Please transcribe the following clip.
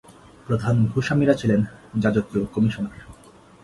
প্রধান ভূস্বামীরা ছিলেন যাজকীয় কমিশনার।